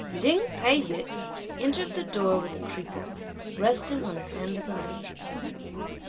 Lin Tai yü entered the door with the creepers, resting on the hand of a matron.